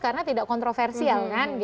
karena tidak kontroversial